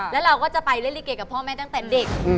แล้วเราก็จะไปเล่นลิเกกับพ่อแม่ตั้งแต่เด็ก